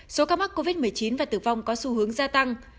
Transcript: số ca mắc covid một mươi chín và tử vong có xu hướng gia tăng